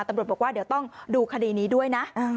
ตำรวจบอกว่าเดี๋ยวต้องดูคดีนี้ด้วยนะ